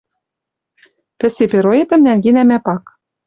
Пӹсӹ пероэтӹм нӓнгенӓ мӓ пак.